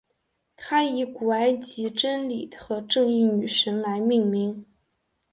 它以古埃及真理和正义女神来命名。